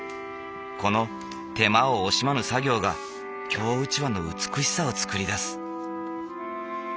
この手間を惜しまぬ作業が京うちわの美しさを作り出す。